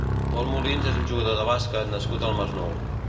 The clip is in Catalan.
Pol Molins és un jugador de bàsquet nascut al Masnou.